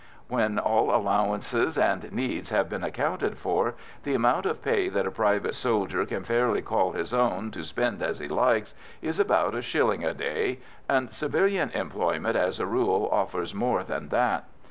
When all allowances and needs have been accounted for, the amount of pay that a private soldier can fairly call his own, to spend as he likes, is about a shilling a day and civilian employment, as a rule, offers more than that.